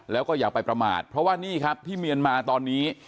แล้วก็อย่าไปประมาทเพราะว่านี่ครับที่เมียนมาตอนนี้